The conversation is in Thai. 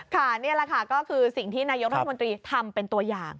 นี่แหละค่ะก็คือสิ่งที่นายกรัฐมนตรีทำเป็นตัวอย่าง